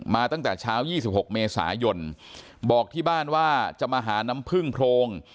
ตั้งแต่เช้า๒๖เมษายนบอกที่บ้านว่าจะมาหาน้ำพึ่งโพรง